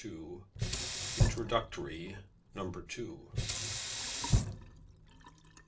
INTRODUCTORY NUMBER TWO.